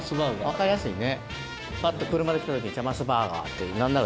分かりやすいね。